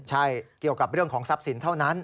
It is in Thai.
ใช่เกี่ยวกับเรื่องของทรัพย์สินเท่านั้น